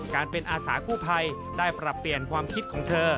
การเป็นอาสากู้ภัยได้ปรับเปลี่ยนความคิดของเธอ